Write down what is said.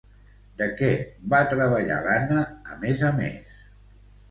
De què va treballar, l'Anna, a més a més?